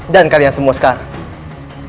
dan kalian semua sekarang